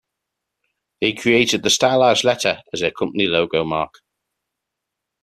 They created the stylized letter as their company logo mark.